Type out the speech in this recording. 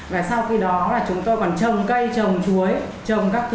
và sau khi đó là chúng tôi còn trồng cây trồng chuối trồng các thứ